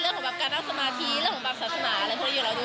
เรื่องของศาสนาและพวกที่อยู่แล้วด้วย